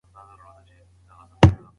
که میرمنې ته قدر ورکړو نو مینه نه مري.